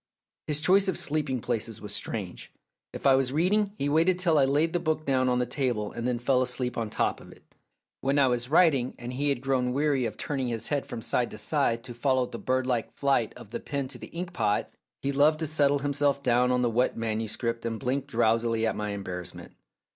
His choice of sleeping places was strange. If I was reading, he waited till I laid the book down on the table and then fell asleep on top of it. When I was writing and he had grown weary of turning his head from side to side to follow the birdlike flight of the pen to the ink pot, he loved to settle himself down on the wet manuscript and blink drowsily at my embarrassment.